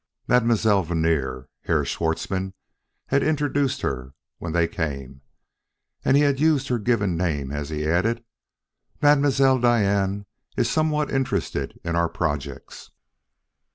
"Mademoiselle Vernier," Herr Schwartzmann had introduced her when they came. And he had used her given name as he added: "Mademoiselle Diane is somewhat interested in our projects."